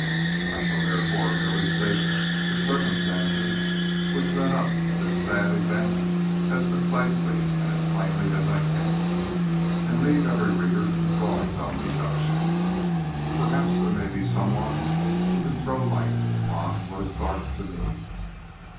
I shall therefore merely state the circumstances which led up to this sad event as concisely and as plainly as I can, and leave every reader to draw his own deductions. Perhaps there may be some one who can throw light upon what is dark to me.